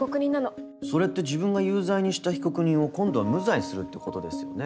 それって自分が有罪にした被告人を今度は無罪にするってことですよね？